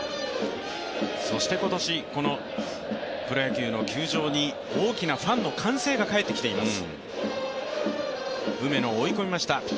そして今年、このプロ野球の球場に大きなファンの歓声が帰ってきています。